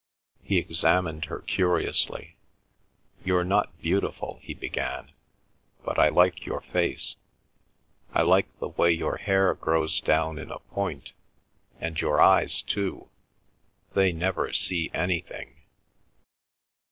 He examined her curiously. "You're not beautiful," he began, "but I like your face. I like the way your hair grows down in a point, and your eyes too—they never see anything.